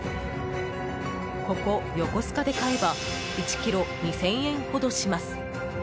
ここ横須賀で買えば１ｋｇ２０００円ほどします。